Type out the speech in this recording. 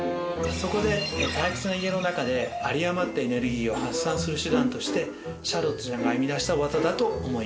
そこで退屈な家の中で有り余ったエネルギーを発散する手段としてシャーロットちゃんが編み出した業だと思います。